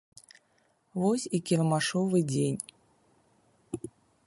Вось і кірмашовы дзень.